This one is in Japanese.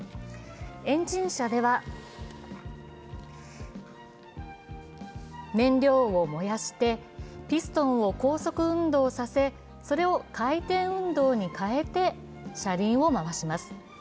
エンジン車では燃料を燃やしてピストンを高速運動させ、それを回転運動に変えて車輪を回します。